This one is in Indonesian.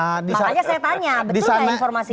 makanya saya tanya betul nggak informasi